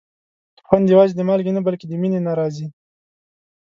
خوند یوازې د مالګې نه، بلکې د مینې نه راځي.